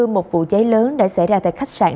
một vụ cháy lớn đã xảy ra tại khách sạn